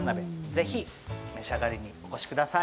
ぜひ召し上がりにお越しください。